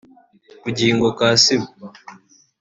Bugingo Kassim